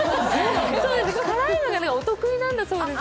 辛いのがお得意なんだそうです。